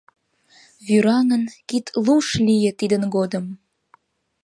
Вӱраҥын, кид луш лие тидын годым...